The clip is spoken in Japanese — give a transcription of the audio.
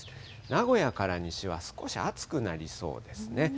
名古屋から西は少し暑くなりそうですね。